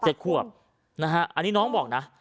ขวบนะฮะอันนี้น้องบอกนะ